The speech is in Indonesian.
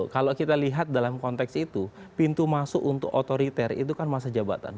kalau kita lihat dalam konteks itu pintu masuk untuk otoriter itu kan masa jabatan